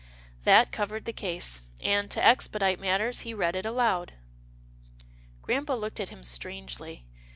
That covered the case, and, to expedite matters, he read it aloud. Grampa looked at him strangely.